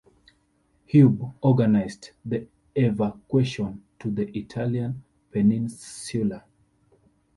Hube organised the evacuation to the Italian peninsula.